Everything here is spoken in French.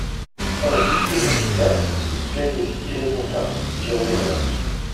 Injuste et inefficace, ce budget est aussi irresponsable, j’y reviendrai.